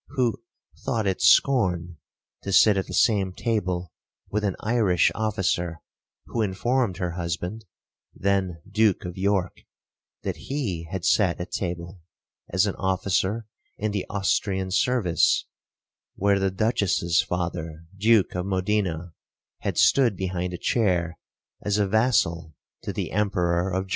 who 'thought it scorn' to sit at the same table with an Irish officer who informed her husband (then Duke of York) that he had sat at table, as an officer in the Austrian service, where the Duchess's father (Duke of Modena) had stood behind a chair, as a vassal to the Emperor of Germany.